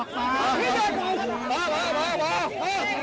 เปิดเบา้าก่อน